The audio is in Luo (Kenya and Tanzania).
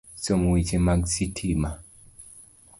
Somo weche mag sitima,